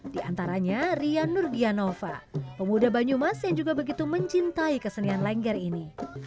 di antaranya rian nurdianova pemuda banyumas yang juga begitu mencintai kesenian lengger ini